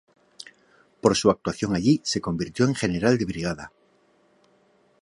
Por su actuación allí se convirtió en general de brigada.